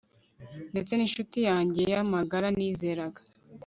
ndetse n'incuti yanjye y'amagara nizeraga